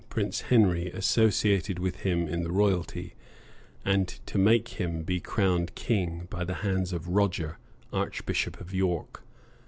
Prince Henry, associated with him in the royalty, and to make him be crowned king, by the hands of Roger, archbishop of York.